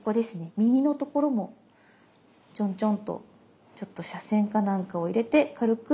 耳のところもチョンチョンとちょっと斜線かなんかを入れて軽く。